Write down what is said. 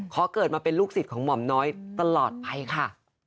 ขอเกิดมาเป็นลูกศิษย์ของหม่อมน้อยตลอดไปค่ะ